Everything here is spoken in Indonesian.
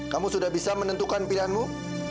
kamu sudah bisa menentukan pilihanmu